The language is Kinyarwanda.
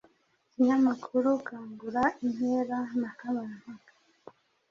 Ikinyamakuru Kangura, Intera na Kamarampaka,